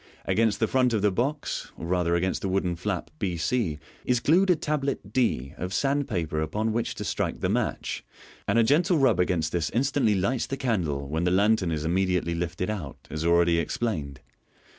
Against the front of the box, or rather against the wooden flap b c (see Fig. 227), is glued a tablet d of sand paper upon which to strike the match, and a gentle rub against this instantly lights the candle, when the lantern is immediately lifted out, as already explained.